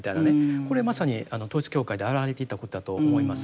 これまさに統一教会であらわれていたことだと思います。